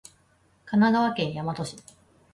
神奈川県大和市